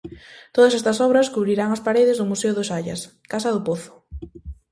Todas estas obras cubrirán as paredes do museo do Xallas-casa do pozo.